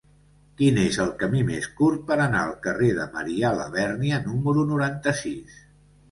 Quin és el camí més curt per anar al carrer de Marià Labèrnia número noranta-sis?